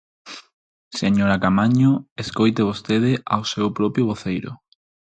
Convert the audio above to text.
Señora Caamaño, escoite vostede ao seu propio voceiro.